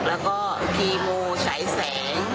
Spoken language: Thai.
แล้วก็คีโมฉายแสง